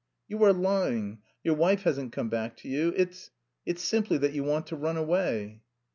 "You are lying, your wife hasn't come back to you.... It's... it's simply that you want to run away."